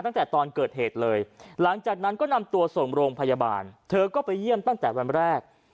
ตั้งแต่ตอนเกิดเหตุเลยหลังจากนั้นก็นำตัวส่งโรงพยาบาลเธอก็ไปเยี่ยมตั้งแต่วันแรก